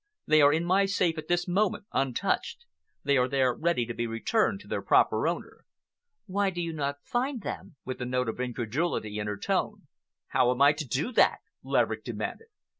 "They are in my safe at this moment, untouched. They are there ready to be returned to their proper owner." "Why do you not find him?"—with a note of incredulity in her tone. "How am I to do that?" Laverick demanded.